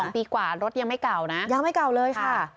ปีกว่ารถยังไม่เก่านะยังไม่เก่าเลยค่ะ